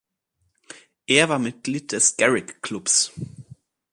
Er war Mitglied des Garrick Clubs.